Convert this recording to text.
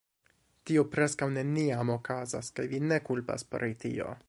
"Tio preskaŭ neniam okazas, kaj vi ne kulpas pri tio."